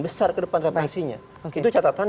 besar ke depan remisinya itu catatan